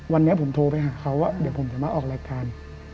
วันนี้ผมโทรไปหาเขาว่าเดี๋ยวผมจะมาออกรายการ